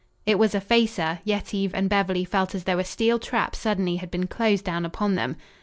It was a facer, Yetive and Beverly felt as though a steel trap suddenly had been closed down upon them.